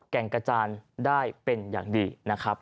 แก่งกระจานได้เป็นอย่างดีนะครับ